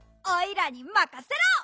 おいらにまかせろ！